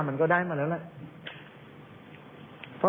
มันก็ได้มาแล้วแหละ